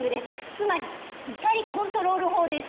つまり怒りコントロール法です